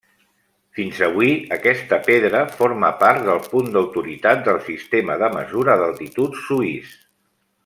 Fins avui, aquesta pedra forma part del punt d'autoritat del sistema de mesura d'altitud suís.